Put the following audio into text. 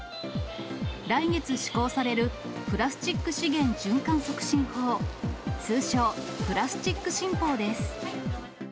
来月施行される、プラスチック資源循環促進法、通称、プラスチック新法です。